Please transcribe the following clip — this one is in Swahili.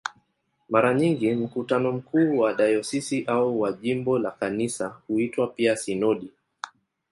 Mara nyingi mkutano mkuu wa dayosisi au wa jimbo la Kanisa huitwa pia "sinodi".